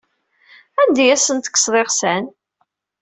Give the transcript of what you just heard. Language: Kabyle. Anda ay asen-tekkseḍ iɣsan?